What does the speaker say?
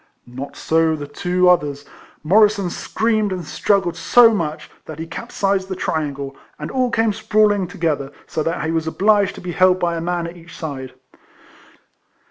Not so the two others : Morrisson screamed and struggled so much, that he capsized the triangle, and all came sprawling together, so that he was obliged to be held by a man at each side.